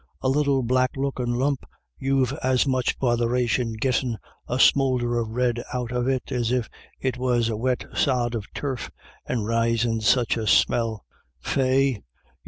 A little black lookin' lump you've as much bothera tion gittin' a smoulder of red out of as if it was a wet sod of turf, and risin' such a smell — faix you 254 IRISH IDYLLS.